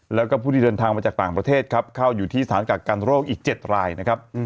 แล้วก็ผู้ที่เดินทางมาจากต่างประเทศครับเข้าอยู่ที่สถานกักกันโรคอีก๗รายนะครับ